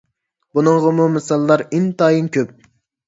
بۇنىڭغىمۇ مىساللار ئىنتايىن كۆپ.